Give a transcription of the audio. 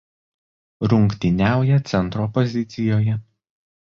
Rungtyniauja centro pozicijoje.